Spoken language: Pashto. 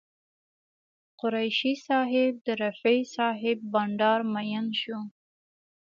قریشي صاحب د رفیع صاحب بانډار مین شو.